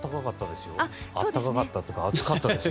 暖かかったというか暑かったです。